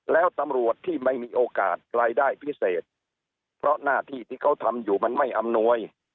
แล้วตำรวจที่ไม่มีโอกาสรายได้พิเศษเพราะหน้าที่ที่เขาทำอยู่มันไม่อำนวย